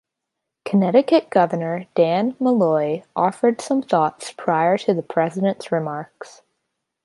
Connecticut Governor Dan Malloy offered some thoughts prior to the President's remarks.